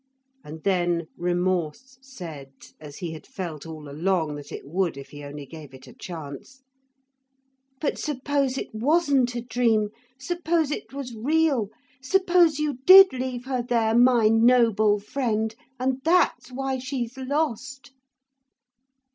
And then remorse said, as he had felt all along that it would if he only gave it a chance: 'But suppose it wasn't a dream suppose it was real. Suppose you did leave her there, my noble friend, and that's why she's lost.'